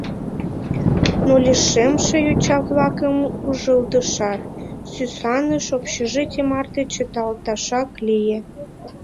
Но лишемше йоча-влакым ужылдышат, сӱсаныш, общежитий марте чыталташак лие.